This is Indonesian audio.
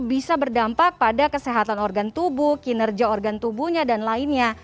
bisa berdampak pada kesehatan organ tubuh kinerja organ tubuhnya dan lainnya